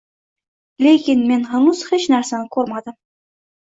lekin men hanuz hech narsani ko‘rmadim.